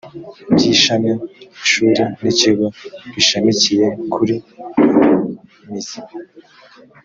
by ishami ishuri n ikigo gishamikiye kuri mize